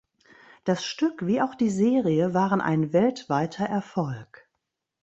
Das Stück wie auch die Serie waren ein weltweiter Erfolg.